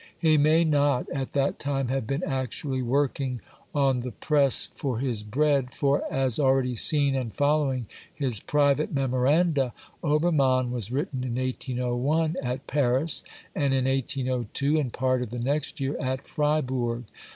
He may not at that time have been actually working on the press for his bread, for, as already seen, and following his private memoranda, Obermann was written in 1801 at Paris, ^ and in 1802 and part of the next year at Fribourg.